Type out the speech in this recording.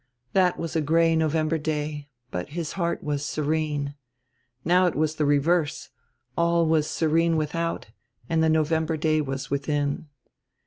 That was a gray November day, but his heart was serene. Now it was die reverse: all was serene without, and die November day was within.